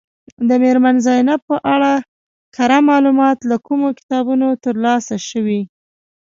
د میرمن زینب په اړه کره معلومات له کومو کتابونو ترلاسه شوي.